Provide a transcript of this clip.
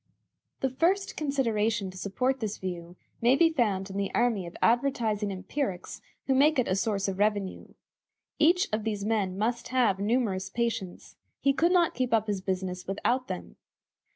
The first consideration to support this view may be found in the army of advertising empirics who make it a source of revenue. Each of these men must have numerous patients; he could not keep up his business without them.